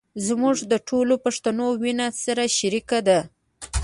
زموږ د ټولو پښتنو وينه سره شریکه ده.